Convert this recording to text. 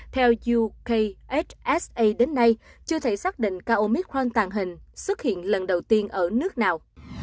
theo ukhsa đến nay chưa thể xác định ca omicron tàng hình xuất hiện lần đầu tiên ở nước nào